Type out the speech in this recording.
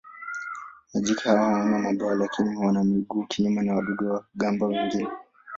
Majike hawana mabawa lakini wana miguu kinyume na wadudu-gamba wengine.